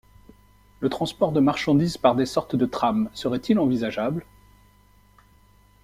Le transport de marchandises par des sortes de tram serait-il envisageable?